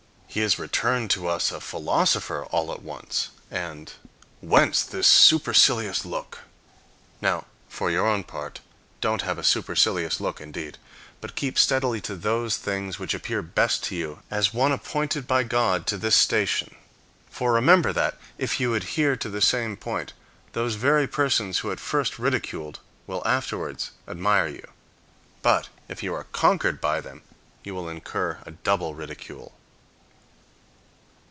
He is returned to us a philosopher all at once," and " Whence this supercilious look?" Now, for your part, don't have a supercilious look indeed; but keep steadily to those things which appear best to you as one appointed by God to this station. For remember that, if you adhere to the same point, those very persons who at first ridiculed will afterwards admire you. But if you are conquered by them, you will incur a double ridicule.